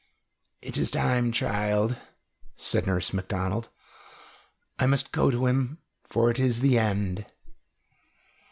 "It is time, child," said Nurse Macdonald. "I must go to him, for it is the end."